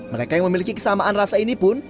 mereka yang memiliki kesamaan rasa ini pun